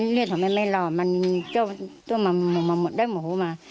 เรียนของแม่ไม่รอดมันก็ต้องมาหมดด้วยหม่อฮูมา